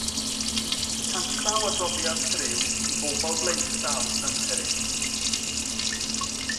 Canllaw Adroddiad Periw i Bobl Blaenllaw ym Mheriw.